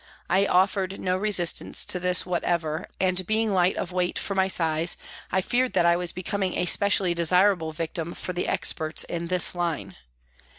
I offered no resistance to this whatever, and being of light weight for my size, I feared that I was becoming a specially desirable victim for the experts in this line.